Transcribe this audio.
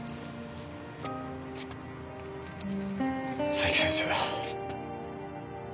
佐伯先生。